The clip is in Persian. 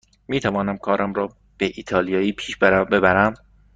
می تونم کارم را به ایتالیایی پیش ببرم.